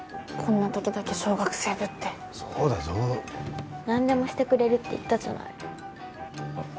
こんな時だけ小学生ぶってそうだぞ何でもしてくれるって言ったじゃないあ